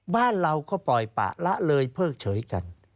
บ้านเราก็ปล่อยปะละเลยเพิกเฉยกัน